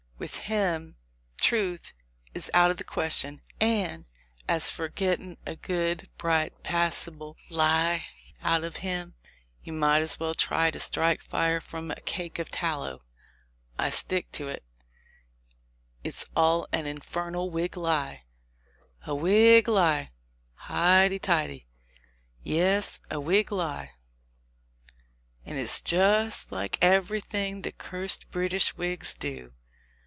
With him truth is out of the question; and THE LIFE OF LINCOLN. 237 as for getting a good, bright, passable lie out of him, you might as well try to strike fire from a cake of tallow. I stick to it, it's all an infernal Whig lie!" "A Whig lie ! Highty tighty !" "Yes, a Whig lie ; and it's just like everything the cursed British Whigs do.